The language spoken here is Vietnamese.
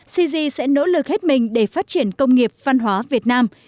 cg sẽ nỗ lực hết mình để phát triển công nghiệp văn hóa việt nam